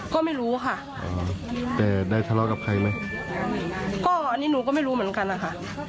ก็ไม่รู้ค่ะแต่ได้ทะเลาะกับใครไหมก็อันนี้หนูก็ไม่รู้เหมือนกันนะคะ